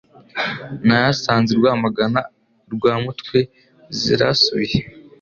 Nayasanze i Rwamagana rwamutwe zirahasubiye